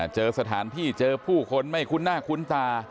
เจอสถานที่เจอผู้คนไม่คุ้นหน้าคุ้นตา